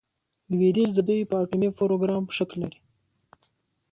لویدیځ د دوی په اټومي پروګرام شک لري.